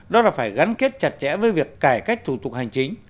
đó là phải gắn kết chặt chẽ với việc cải cách thủ tục hành chính